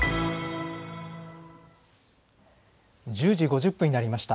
１０時５０分になりました。